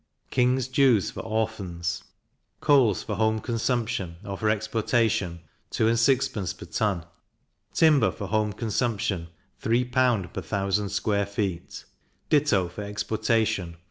King's dues for Orphans: coals for home consumption, or for exportation, 2s. 6d. per ton; timber for home consumption 3L. per 1000 square feet, ditto for exportation 4L.